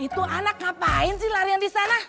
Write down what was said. itu anak ngapain sih lari yang di sana